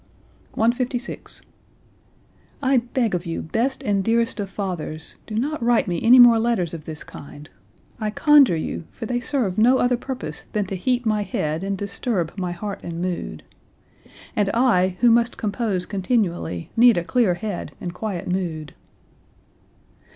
156. "I beg of you, best and dearest of fathers, do not write me any more letters of this kind, I conjure you, for they serve no other purpose than to heat my head and disturb my heart and mood. And I, who must compose continually, need a clear head and quiet mood."